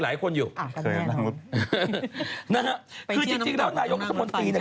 ใครคนอยู่นะฮะคือจริงแล้วนายกรุงสมนตรีเนี่ย